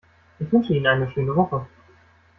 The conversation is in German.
Ich wünsche Ihnen eine schöne Woche.